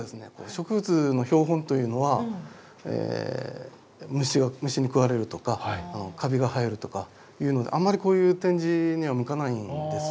植物の標本というのは虫に食われるとかカビが生えるとかいうのであんまりこういう展示には向かないんです。